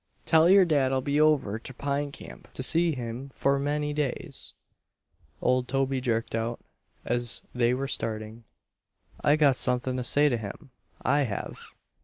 "Tell yer dad I'll be over ter Pine Camp ter see him 'fore many days," Old Toby jerked out, as they were starting. "I got suthin' to say to him, I have!"